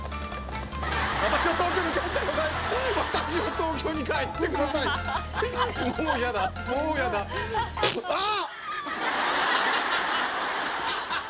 私を東京に帰してくださいあっ！